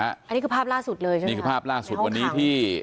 อันนี้คือภาพล่าสุดเลยใช่ไหมนี่คือภาพล่าสุดวันนี้ที่